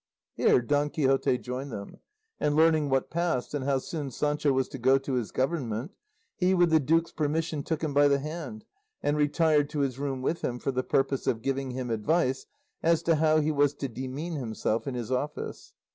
Here Don Quixote joined them; and learning what passed, and how soon Sancho was to go to his government, he with the duke's permission took him by the hand, and retired to his room with him for the purpose of giving him advice as to how he was to demean himself in his office.